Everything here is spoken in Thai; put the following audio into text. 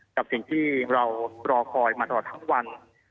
กับสิ่งที่เรารอคอยมาตลอดทั้งวัน